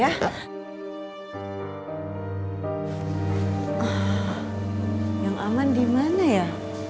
ah yang aman di mana ya